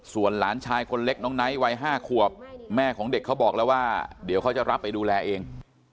ส่วนหลานชายคนเล็กน้องไนท์วัย๕ขวบแม่ของเด็กเขาบอกแล้วว่าเดี๋ยวเขาจะรับไปดูแลเอง